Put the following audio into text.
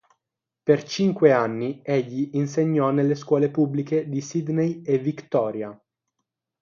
Per cinque anni egli insegnò nelle scuole pubbliche di Sidney e Victoria.